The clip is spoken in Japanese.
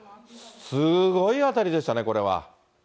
すごい当たりでしたね、これは。